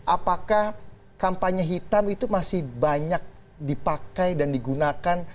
apakah kampanye hitam itu masih banyak dipakai dan digunakan